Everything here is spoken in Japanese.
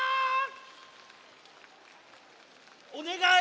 おねがい。